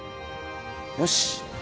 よし！